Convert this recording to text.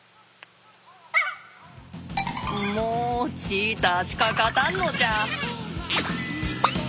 もうチーターしか勝たんのじゃ。